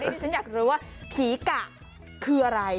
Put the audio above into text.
ตอนนี้ฉันอยากรู้ว่าภีรกะคืออะไร